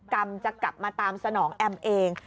กรรมจะกลับมาตามสนองแอมเอง